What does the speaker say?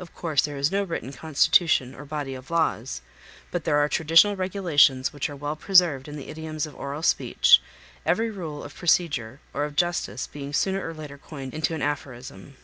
Of course there is no written constitution or body of laws, but there are traditional regulations which are well preserved in the idioms of oral speech, every rule of procedure or of justice being sooner or later coined into an aphorism.